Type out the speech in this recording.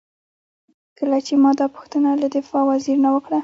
کله چې ما دا پوښتنه له دفاع وزیر نه وکړه.